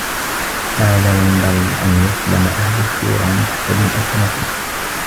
هَذَا وَيَنْبَغِي أَنْ يَسْلَمَ أَهْلُ الشُّورَى مِنْ حَسَدٍ أَوْ تَنَافُسٍ